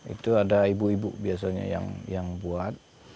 itu ada ibu ibu biasanya yang buat